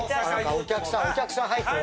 お客さんお客さん入ってる。